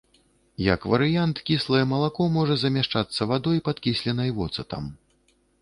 Як варыянт, кіслае малако можа замяшчацца вадой, падкісленай воцатам.